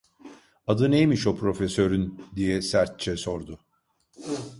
"Adı neymiş o profesörün?" diye sertçe sordu.